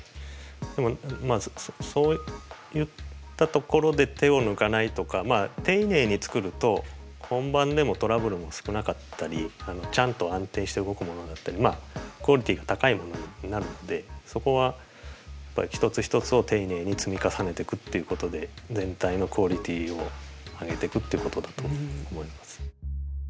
でもそういったところで手を抜かないとかまあ丁寧に作ると本番でもトラブルも少なかったりちゃんと安定して動くものだったりクオリティの高いものになるのでそこは一つ一つを丁寧に積み重ねていくっていうことで全体のクオリティを上げていくっていうことだと思います。